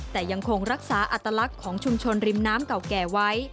แต่ยังคงรักษาอัตลักษณ์ของชุมชนริมน้ำเก่าแก่ไว้